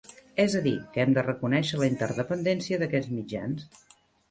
És a dir, que hem de reconèixer la interdependència d'aquests mitjans